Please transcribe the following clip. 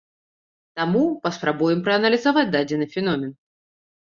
Таму паспрабуем прааналізаваць дадзены феномен.